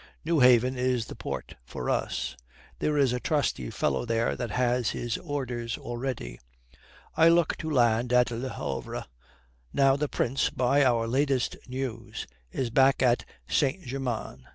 Newhaven is the port for us. There is a trusty fellow there has his orders already. I look to land at Le Havre. Now, the Prince, by our latest news, is back at St. Germain.